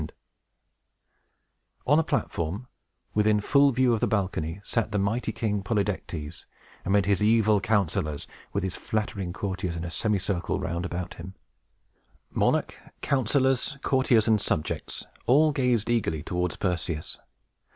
[Illustration: PERSEVS SHOWING THE GORGON'S HEAD] On a platform, within full view of the balcony, sat the mighty King Polydectes, amid his evil counselors, and with his flattering courtiers in a semicircle round about him. Monarch, counselors, courtiers, and subjects, all gazed eagerly towards Perseus.